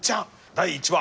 第１話。